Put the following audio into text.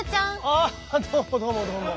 ああどうもどうもどうも。